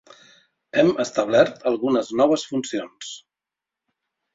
Hem establert algunes noves funcions.